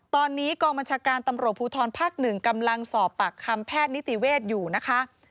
ตอนนี้กองบัญชาการตำรวจภูทรภาค๑กำลังสอบปากคำแพทย์นิติเวชอยู่นะคะ